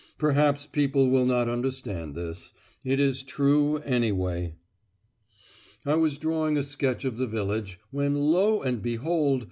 Perhaps people will not understand this: it is true, anyway. I was drawing a sketch of the village, when lo! and behold!